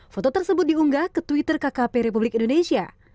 foto tersebut diunggah ke twitter kkp republik indonesia